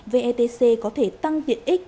vetc có thể tăng tiện ích